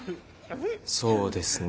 そうですねぇ。